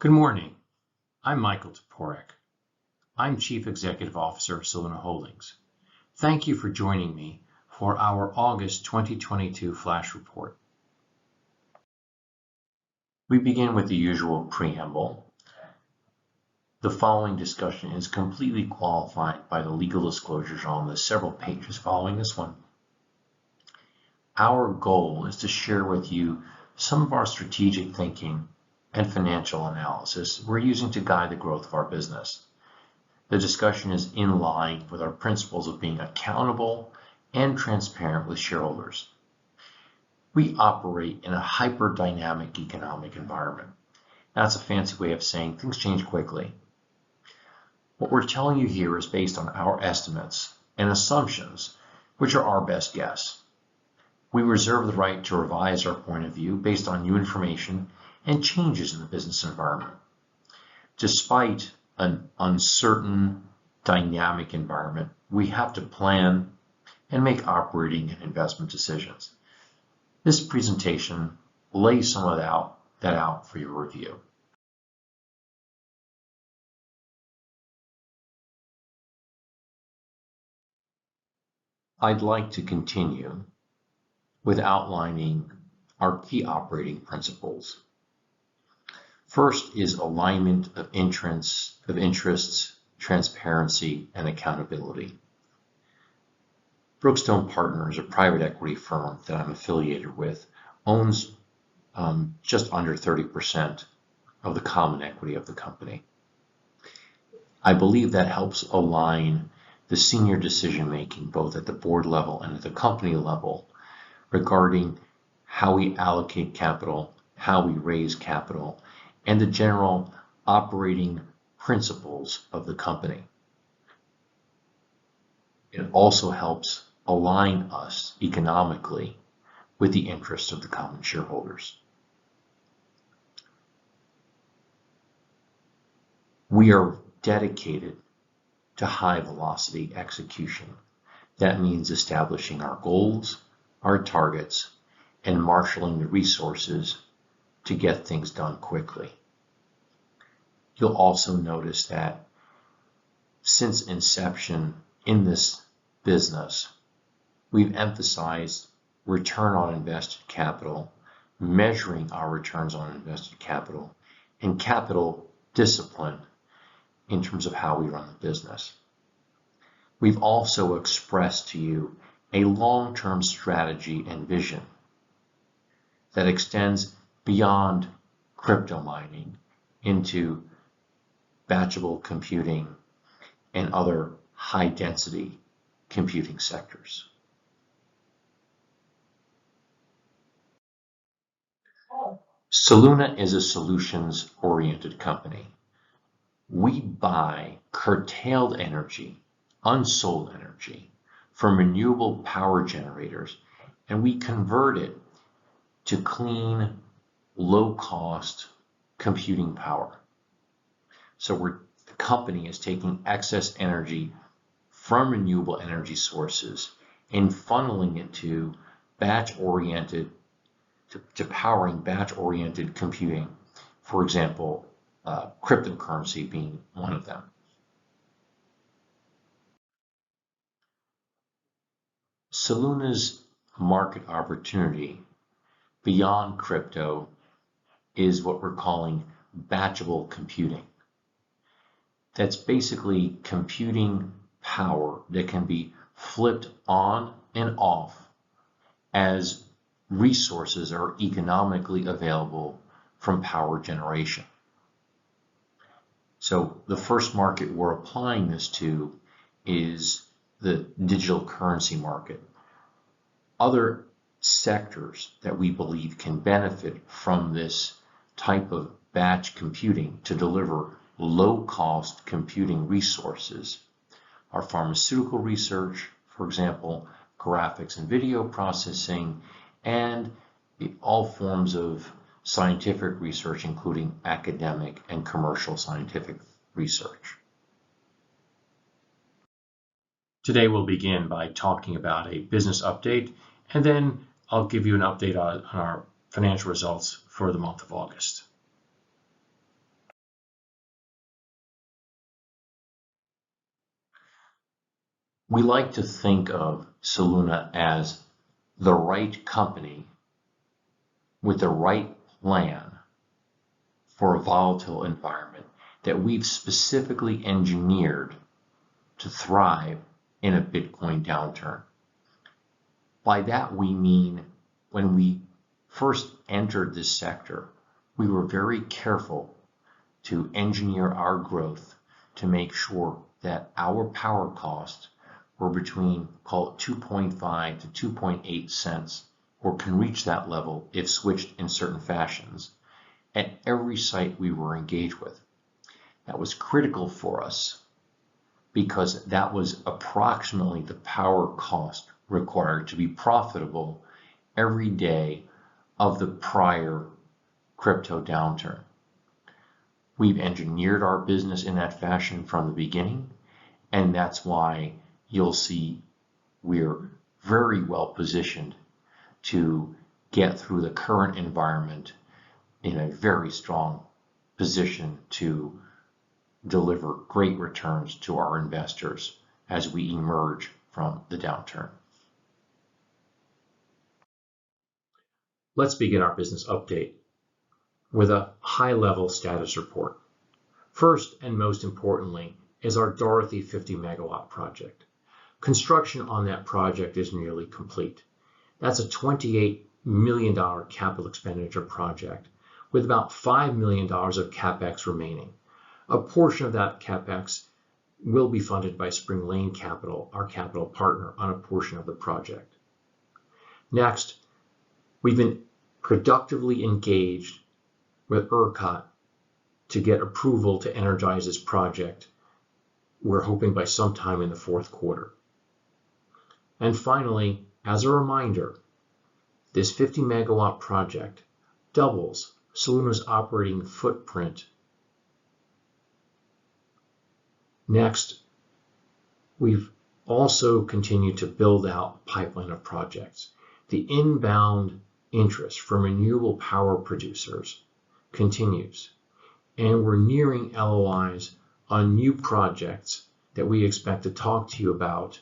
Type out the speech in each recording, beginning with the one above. Good morning. I'm Michael Toporek. I'm Chief Executive Officer of Soluna Holdings. Thank you for joining me for our August 2022 flash report. We begin with the usual preamble. The following discussion is completely qualified by the legal disclosures on the several pages following this one. Our goal is to share with you some of our strategic thinking and financial analysis we're using to guide the growth of our business. The discussion is in line with our principles of being accountable and transparent with shareholders. We operate in a hyper-dynamic economic environment. That's a fancy way of saying things change quickly. What we're telling you here is based on our estimates and assumptions, which are our best guess. We reserve the right to revise our point of view based on new information and changes in the business environment. Despite an uncertain dynamic environment, we have to plan and make operating and investment decisions. This presentation lays some of that out for your review. I'd like to continue with outlining our key operating principles. First is alignment of interests, transparency, and accountability. Brookstone Partners, a private equity firm that I'm affiliated with, owns just under 30% of the common equity of the company. I believe that helps align the senior decision-making, both at the board level and at the company level, regarding how we allocate capital, how we raise capital, and the general operating principles of the company. It also helps align us economically with the interests of the common shareholders. We are dedicated to high-velocity execution. That means establishing our goals, our targets, and marshaling the resources to get things done quickly. You'll also notice that since inception in this business, we've emphasized return on invested capital, measuring our returns on invested capital, and capital discipline in terms of how we run the business. We've also expressed to you a long-term strategy and vision that extends beyond crypto mining into batchable computing and other high-density computing sectors. Soluna is a solutions-oriented company. We buy curtailed energy, unsold energy from renewable power generators, and we convert it to clean, low-cost computing power. The company is taking excess energy from renewable energy sources and funneling it to powering batch-oriented computing. For example, cryptocurrency being one of them. Soluna's market opportunity beyond crypto is what we're calling batchable computing. That's basically computing power that can be flipped on and off as resources are economically available from power generation. The first market we're applying this to is the digital currency market. Other sectors that we believe can benefit from this type of batch computing to deliver low-cost computing resources are pharmaceutical research, for example, graphics and video processing, and all forms of scientific research, including academic and commercial scientific research. Today, we'll begin by talking about a business update, and then I'll give you an update on our financial results for the month of August. We like to think of Soluna as the right company with the right plan for a volatile environment that we've specifically engineered to thrive in a Bitcoin downturn. By that, we mean when we first entered this sector, we were very careful to engineer our growth to make sure that our power costs were between, call it $0.025-$0.028, or can reach that level if switched in certain fashions at every site we were engaged with. That was critical for us because that was approximately the power cost required to be profitable every day of the prior crypto downturn. We've engineered our business in that fashion from the beginning, and that's why you'll see we're very well-positioned to get through the current environment in a very strong position to deliver great returns to our investors as we emerge from the downturn. Let's begin our business update with a high-level status report. First and most importantly is our Dorothy 50 MW project. Construction on that project is nearly complete. That's a $28 million capital expenditure project with about $5 million of CapEx remaining. A portion of that CapEx will be funded by Spring Lane Capital, our capital partner, on a portion of the project. Next, we've been productively engaged with ERCOT to get approval to energize this project. We're hoping by sometime in the fourth quarter. Finally, as a reminder, this 50 MW project doubles Soluna's operating footprint. Next, we've also continued to build out a pipeline of projects. The inbound interest from renewable power producers continues, and we're nearing LOIs on new projects that we expect to talk to you about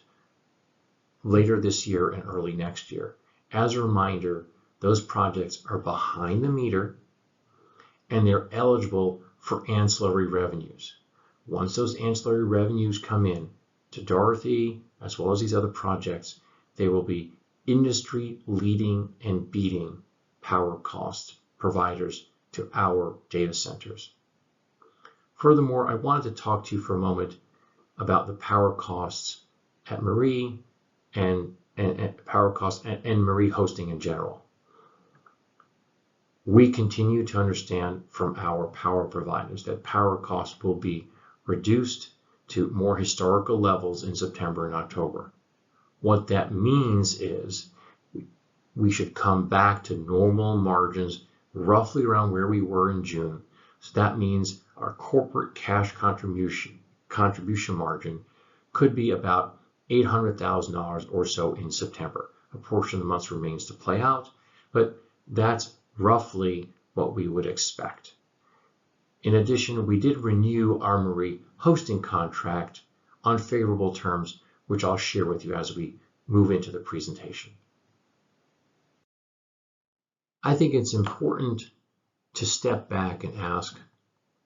later this year and early next year. As a reminder, those projects are behind the meter, and they're eligible for ancillary revenues. Once those ancillary revenues come in to Dorothy as well as these other projects, they will be industry-leading and beating power cost providers to our data centers. Furthermore, I wanted to talk to you for a moment about the power costs at Marie and Marie hosting in general. We continue to understand from our power providers that power costs will be reduced to more historical levels in September and October. What that means is we should come back to normal margins roughly around where we were in June. That means our corporate cash contribution margin could be about $800,000 or so in September. A portion of the month remains to play out, but that's roughly what we would expect. In addition, we did renew our Maia hosting contract on favorable terms, which I'll share with you as we move into the presentation. I think it's important to step back and ask,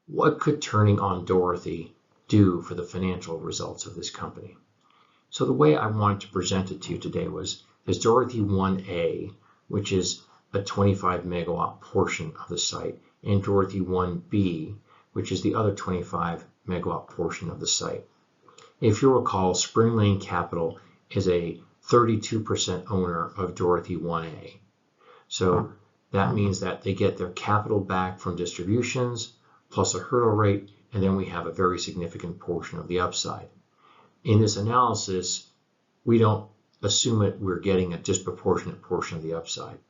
"What could turning on Dorothy do for the financial results of this company?" The way I wanted to present it to you today was, is Dorothy One A, which is a 25 MW portion of the site, and Dorothy One B, which is the other 25 MW portion of the site. If you'll recall, Spring Lane Capital is a 32% owner of Dorothy One A. That means that they get their capital back from distributions plus a hurdle rate, and then we have a very significant portion of the upside. In this analysis, we don't assume that we're getting a disproportionate portion of the upside.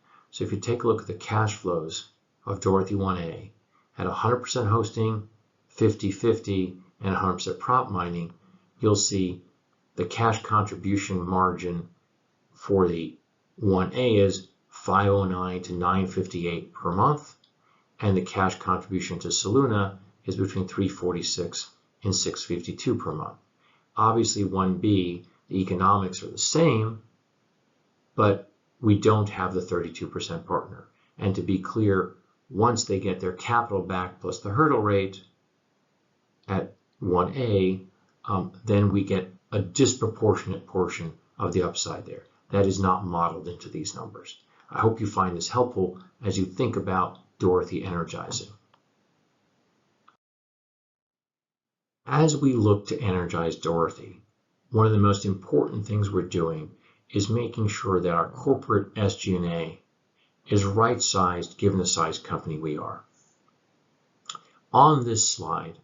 If you take a look at the cash flows of Dorothy 1A at 100% hosting, 50/50, and 100% prop mining, you'll see the cash contribution margin for the 1A is $509-$958 per month, and the cash contribution to Soluna is between $346 and $652 per month. Obviously, 1B, the economics are the same, but we don't have the 32% partner. To be clear, once they get their capital back plus the hurdle rate at 1A, then we get a disproportionate portion of the upside there. That is not modeled into these numbers. I hope you find this helpful as you think about Dorothy energizing. As we look to energize Dorothy, one of the most important things we're doing is making sure that our corporate SG&A is right-sized given the size company we are. On this slide,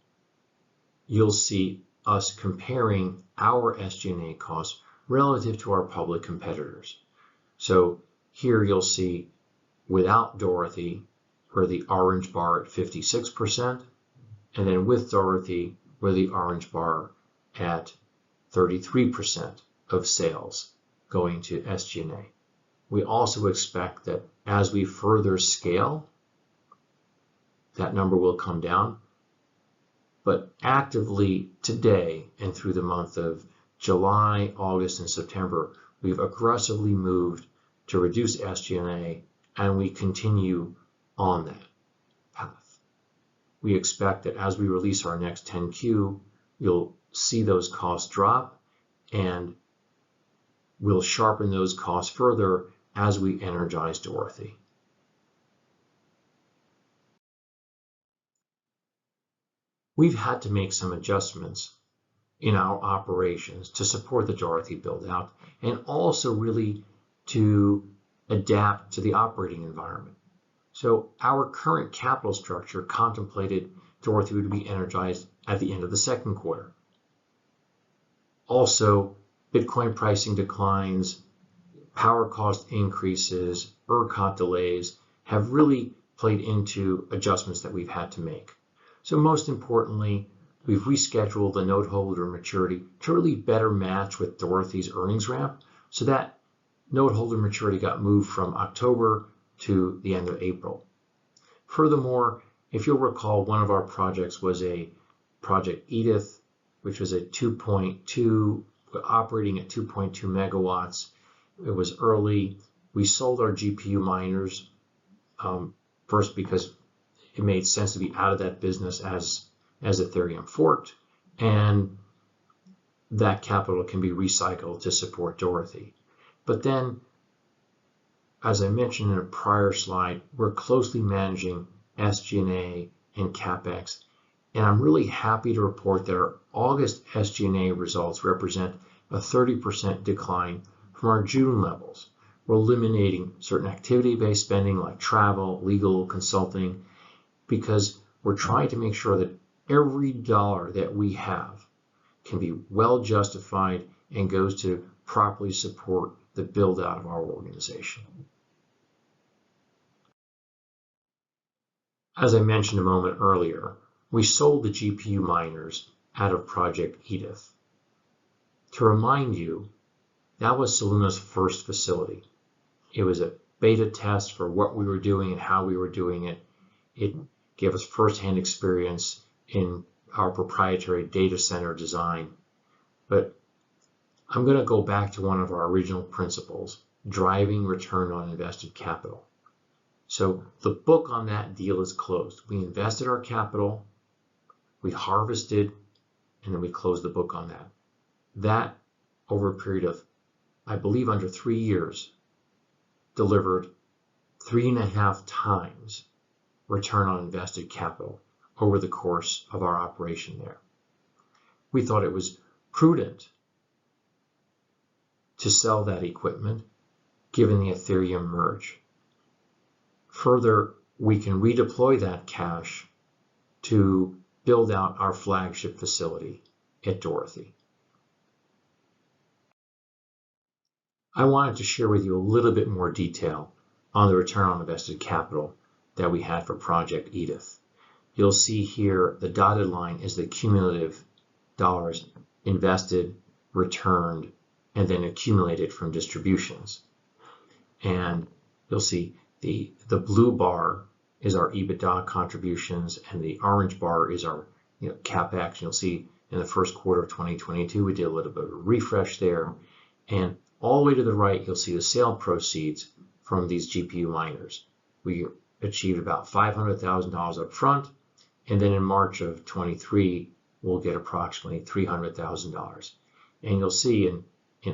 you'll see us comparing our SG&A costs relative to our public competitors. Here you'll see without Dorothy or the orange bar at 56%, and then with Dorothy or the orange bar at 33% of sales going to SG&A. We also expect that as we further scale, that number will come down. Actively today and through the month of July, August, and September, we've aggressively moved to reduce SG&A, and we continue on that path. We expect that as we release our next 10-Q, you'll see those costs drop, and we'll sharpen those costs further as we energize Dorothy. We've had to make some adjustments in our operations to support the Dorothy build-out and also really to adapt to the operating environment. Our current capital structure contemplated Dorothy would be energized at the end of the second quarter. Bitcoin pricing declines, power cost increases, ERCOT delays have really played into adjustments that we've had to make. Most importantly, we've rescheduled the noteholder maturity to really better match with Dorothy's earnings ramp so that noteholder maturity got moved from October to the end of April. If you'll recall, one of our projects was a Project Edith, which was operating at 2.2 MW. It was early. We sold our GPU miners first because it made sense to be out of that business as Ethereum forked, and that capital can be recycled to support Dorothy. As I mentioned in a prior slide, we're closely managing SG&A and CapEx, and I'm really happy to report that our August SG&A results represent a 30% decline from our June levels. We're eliminating certain activity-based spending like travel, legal, consulting, because we're trying to make sure that every dollar that we have can be well justified and goes to properly support the build-out of our organization. As I mentioned a moment earlier, we sold the GPU miners out of Project Edith. To remind you, that was Soluna's first facility. It was a beta test for what we were doing and how we were doing it. It gave us firsthand experience in our proprietary data center design. But I'm gonna go back to one of our original principles, driving return on invested capital. The book on that deal is closed. We invested our capital, we harvested, and then we closed the book on that. That over a period of, I believe, under three years, delivered 3.5 times return on invested capital over the course of our operation there. We thought it was prudent to sell that equipment given the Ethereum Merge. Further, we can redeploy that cash to build out our flagship facility at Dorothy. I wanted to share with you a little bit more detail on the return on invested capital that we had for Project Edith. You'll see here the dotted line is the cumulative $ invested, returned, and then accumulated from distributions. You'll see the blue bar is our EBITDA contributions, and the orange bar is our, you know, CapEx. You'll see in the first quarter of 2022, we did a little bit of a refresh there. All the way to the right, you'll see the sale proceeds from these GPU miners. We achieved about $500,000 up front, and then in March 2023, we'll get approximately $300,000. You'll see in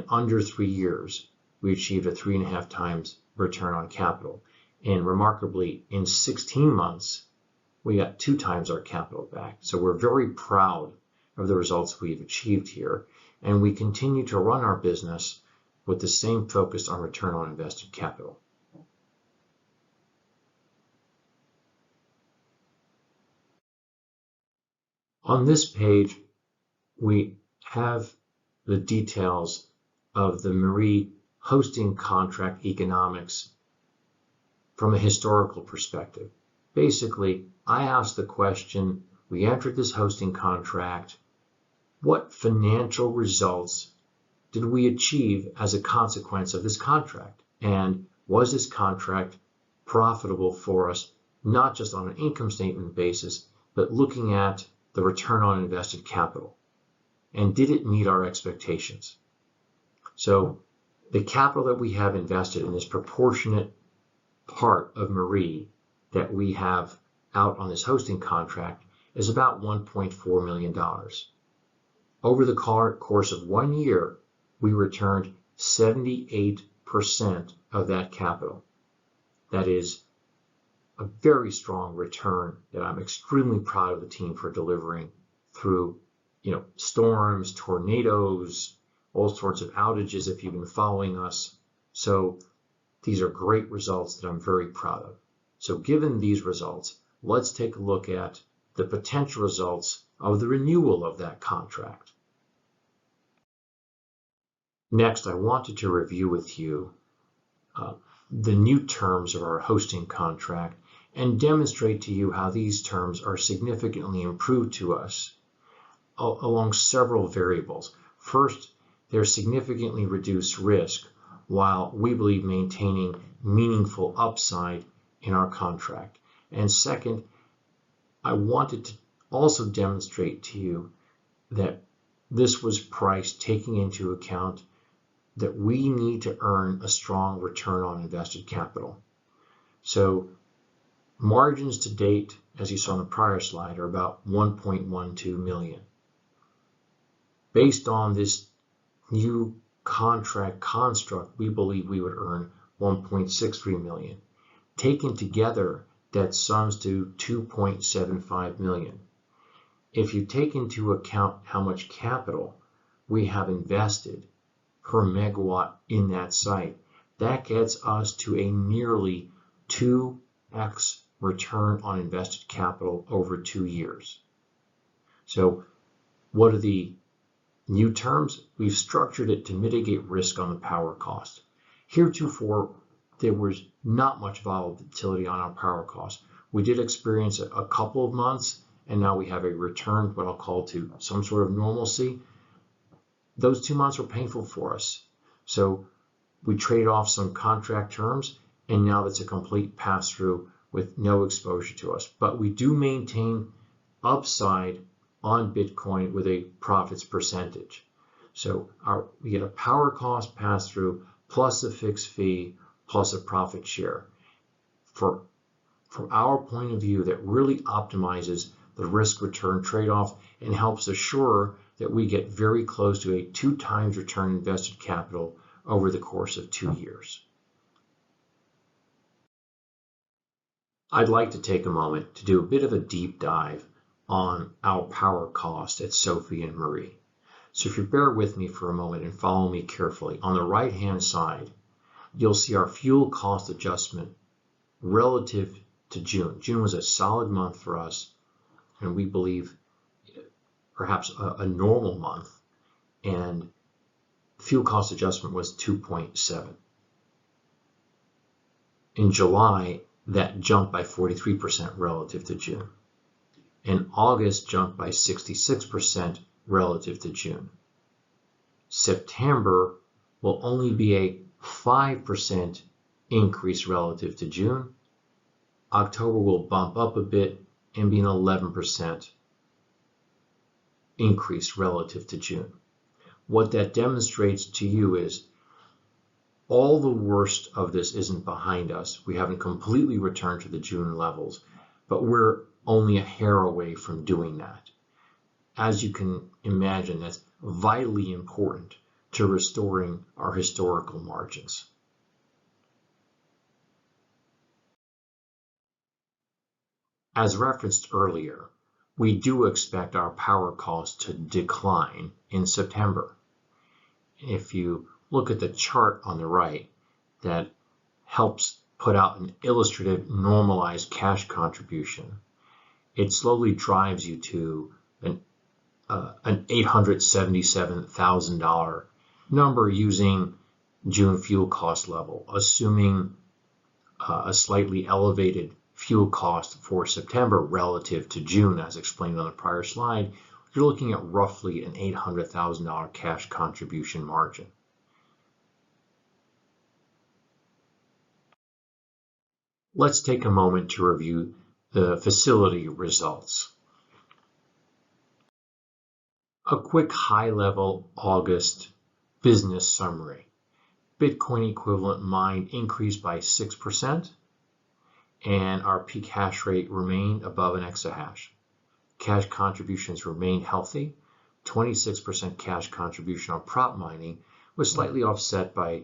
under 3 years, we achieved a 3.5x return on capital. Remarkably, in 16 months, we got 2x our capital back. We're very proud of the results we've achieved here, and we continue to run our business with the same focus on return on invested capital. On this page, we have the details of the Maia hosting contract economics from a historical perspective. Basically, I asked the question, we entered this hosting contract, what financial results did we achieve as a consequence of this contract? Was this contract profitable for us, not just on an income statement basis, but looking at the return on invested capital, and did it meet our expectations? The capital that we have invested in this proportionate part of Marie that we have out on this hosting contract is about $1.4 million. Over the course of one year, we returned 78% of that capital. That is a very strong return that I'm extremely proud of the team for delivering through, you know, storms, tornadoes, all sorts of outages if you've been following us. These are great results that I'm very proud of. Given these results, let's take a look at the potential results of the renewal of that contract. Next, I wanted to review with you the new terms of our hosting contract and demonstrate to you how these terms are significantly improved for us along several variables. First, they're significantly reduced risk while we believe maintaining meaningful upside in our contract. Second, I wanted to also demonstrate to you that this was priced taking into account that we need to earn a strong return on invested capital. Margins to date, as you saw in the prior slide, are about $1.12 million. Based on this new contract construct, we believe we would earn $1.63 million. Taken together, that sums to $2.75 million. If you take into account how much capital we have invested per megawatt in that site, that gets us to a nearly 2x return on invested capital over two years. What are the new terms? We've structured it to mitigate risk on the power cost. Heretofore, there was not much volatility on our power cost. We did experience a couple of months, and now we have a return, what I'll call to some sort of normalcy. Those two months were painful for us, so we trade off some contract terms, and now that's a complete passthrough with no exposure to us. We do maintain upside on Bitcoin with a profits percentage. We get a power cost passthrough, plus a fixed fee, plus a profit share. From our point of view, that really optimizes the risk-return trade-off and helps assure that we get very close to a 2x return on invested capital over the course of two years. I'd like to take a moment to do a bit of a deep dive on our power cost at Sophie and Marie. If you bear with me for a moment and follow me carefully, on the right-hand side, you'll see our fuel cost adjustment relative to June. June was a solid month for us, and we believe perhaps a normal month, and fuel cost adjustment was 2.7. In July, that jumped by 43% relative to June, and August jumped by 66% relative to June. September will only be a 5% increase relative to June. October will bump up a bit and be an 11% increase relative to June. What that demonstrates to you is all the worst of this isn't behind us. We haven't completely returned to the June levels, but we're only a hair away from doing that. As you can imagine, that's vitally important to restoring our historical margins. As referenced earlier, we do expect our power cost to decline in September. If you look at the chart on the right that helps put out an illustrative normalized cash contribution, it slowly drives you to an $877,000 number using June fuel cost level. Assuming a slightly elevated fuel cost for September relative to June, as explained on the prior slide, you're looking at roughly an $800,000 cash contribution margin. Let's take a moment to review the facility results. A quick high-level August business summary. Bitcoin equivalent mined increased by 6%, and our peak hash rate remained above an exahash. Cash contributions remained healthy. 26% cash contribution on prop mining was slightly offset by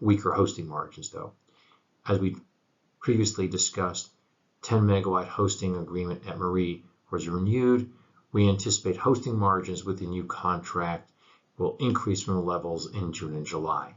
weaker hosting margins, though. As we previously discussed, 10 MW hosting agreement at Marie was renewed. We anticipate hosting margins with the new contract will increase from the levels in June and July.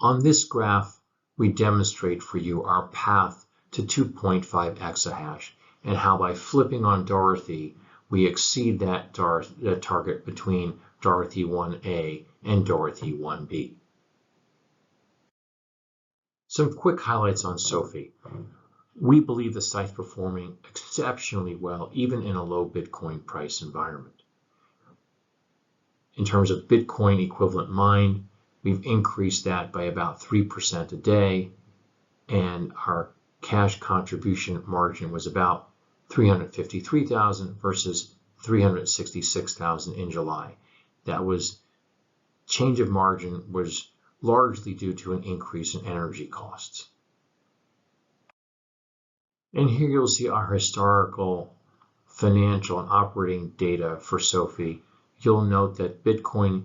On this graph, we demonstrate for you our path to 2.5 exahash and how by flipping on Dorothy, we exceed that target between Dorothy 1A and Dorothy 1B. Some quick highlights on Sophie. We believe the site's performing exceptionally well, even in a low Bitcoin price environment. In terms of Bitcoin equivalent mined, we've increased that by about 3% a day, and our cash contribution margin was about $353 thousand versus $366 thousand in July. Change of margin was largely due to an increase in energy costs. Here you'll see our historical financial and operating data for Sophie. You'll note that Bitcoin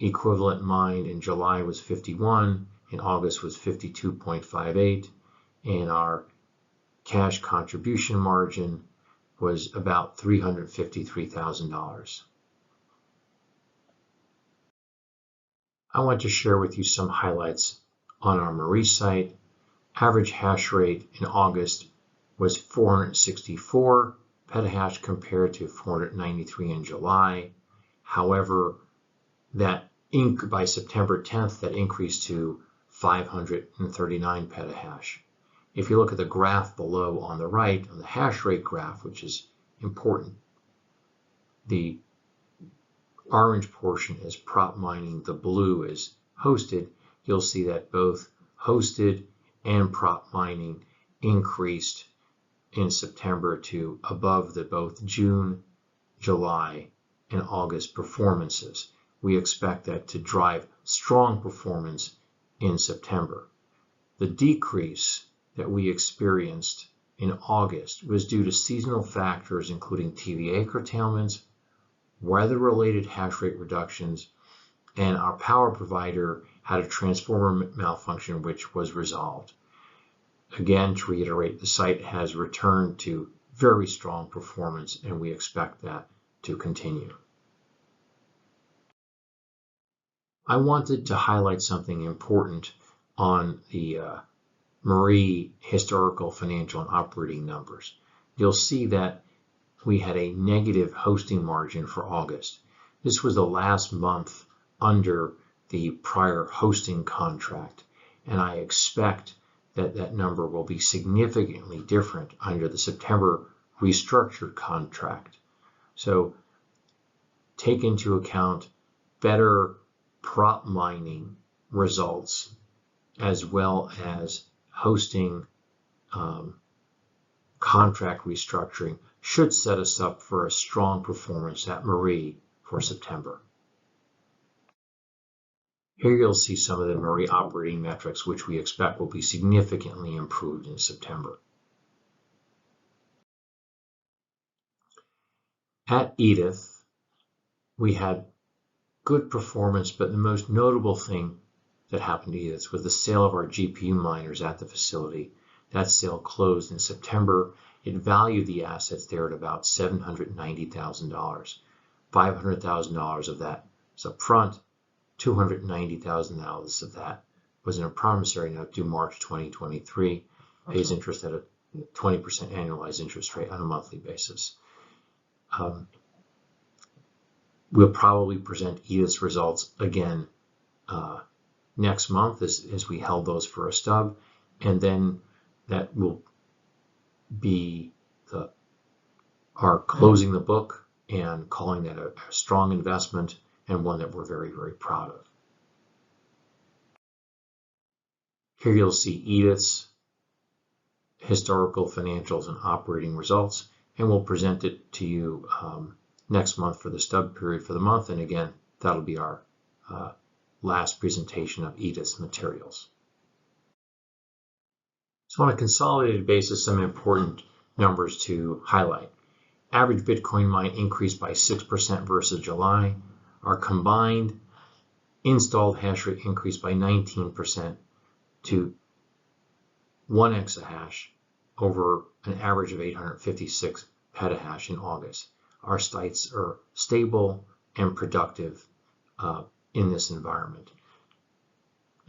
equivalent mined in July was 51, in August was 52.58, and our cash contribution margin was about $353,000. I want to share with you some highlights on our Marie site. Average hash rate in August was 464 petahash compared to 493 in July. However, by September 10th, that increased to 539 petahash. If you look at the graph below on the right, on the hash rate graph, which is important, the orange portion is prop mining, the blue is hosted. You'll see that both hosted and prop mining increased in September to above the both June, July, and August performances. We expect that to drive strong performance in September. The decrease that we experienced in August was due to seasonal factors, including TVA curtailments, weather-related hash rate reductions, and our power provider had a transformer malfunction which was resolved. Again, to reiterate, the site has returned to very strong performance, and we expect that to continue. I wanted to highlight something important on the Marie historical financial and operating numbers. You'll see that we had a negative hosting margin for August. This was the last month under the prior hosting contract, and I expect that that number will be significantly different under the September restructured contract. Take into account better prop mining results as well as hosting contract restructuring should set us up for a strong performance at Marie for September. Here you'll see some of the Marie operating metrics which we expect will be significantly improved in September. At Edith, we had good performance, but the most notable thing that happened to Edith was the sale of our GPU miners at the facility. That sale closed in September. It valued the assets there at about $790,000. $500,000 of that is upfront. $290,000 of that was in a promissory note due March 2023. It pays interest at a 20% annualized interest rate on a monthly basis. We'll probably present Edith's results again next month as we held those for a stub, and then that will be our closing the book and calling that a strong investment and one that we're very, very proud of. Here you'll see Edith's historical financials and operating results, and we'll present it to you next month for the stub period for the month. Again, that'll be our last presentation of Edith's materials. On a consolidated basis, some important numbers to highlight. Average Bitcoin mined increased by 6% versus July. Our combined installed hash rate increased by 19% to 1 exahash over an average of 856 petahash in August. Our sites are stable and productive in this environment.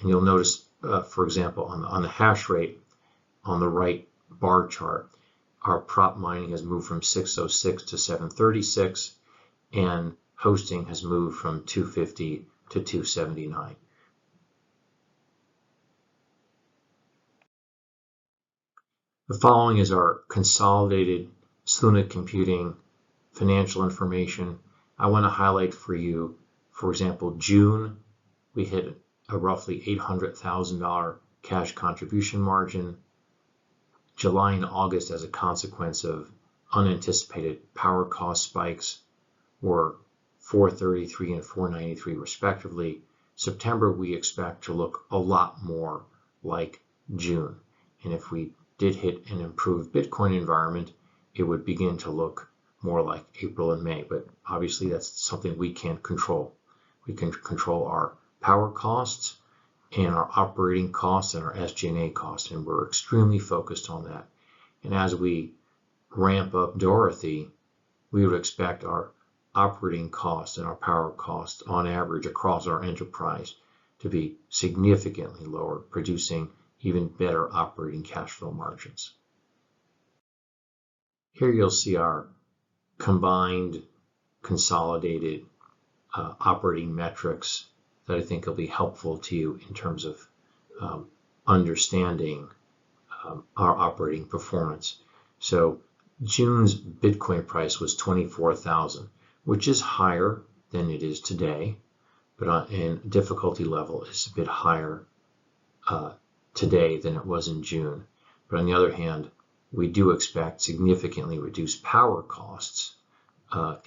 You'll notice, for example, on the hash rate on the right bar chart, our prop mining has moved from 606 to 736, and hosting has moved from 250 to 279. The following is our consolidated Soluna Computing financial information. I wanna highlight for you, for example, June, we hit a roughly $800 thousand cash contribution margin. July and August, as a consequence of unanticipated power cost spikes, were $433 thousand and $493 thousand respectively. September, we expect to look a lot more like June. If we did hit an improved Bitcoin environment, it would begin to look more like April and May. Obviously, that's something we can't control. We can control our power costs and our operating costs and our SG&A costs, and we're extremely focused on that. As we ramp up Dorothy, we would expect our operating costs and our power costs on average across our enterprise to be significantly lower, producing even better operating cash flow margins. Here you'll see our combined consolidated operating metrics that I think will be helpful to you in terms of understanding our operating performance. June's Bitcoin price was $24,000, which is higher than it is today, but difficulty level is a bit higher today than it was in June. On the other hand, we do expect significantly reduced power costs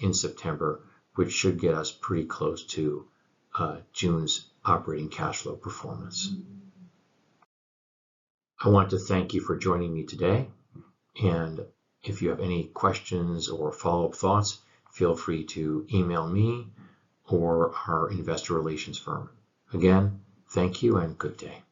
in September, which should get us pretty close to June's operating cash flow performance. I want to thank you for joining me today. If you have any questions or follow-up thoughts, feel free to email me or our investor relations firm. Again, thank you and good day.